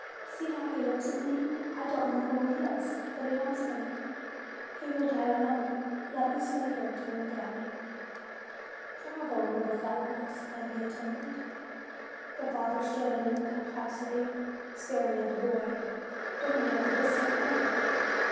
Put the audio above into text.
See how he looks at me ! I don't know who he is, but he wants me ; he will die alone : let me stay here, dear daddy !" "Bravo, little fellow!" exclaimed the attendant. 140 FEBRUARY The father stood in perplexity, staring at the boy; then he looked at the sick man.